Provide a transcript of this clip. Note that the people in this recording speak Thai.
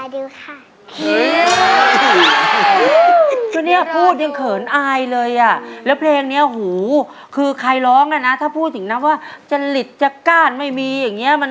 เดี๋ยวรอดูค่ะ